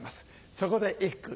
そこで一句。